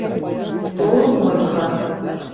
толын ойхы